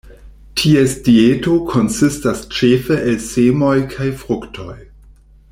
Ties dieto konsistas ĉefe el semoj kaj fruktoj.